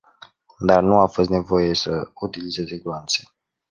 Dar nu a fost nevoie să utilizeze gloanțe.